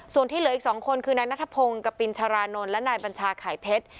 ส่วนที่เหลืออีก๒คนคือนายนัทพงศ์กปินชารานนท์และนายบัญชาไข่เพชร